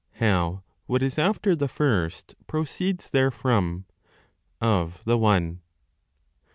How What is After the First Proceeds Therefrom; of the One.